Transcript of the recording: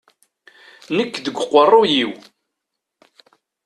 Nekk deg uqerruy-iw.